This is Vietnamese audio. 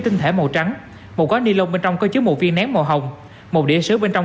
tinh thể màu trắng một gói ni lông bên trong có chứa một viên nén màu hồng một điện sứ bên trong